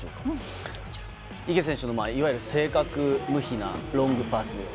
池選手の正確無比なロングパス。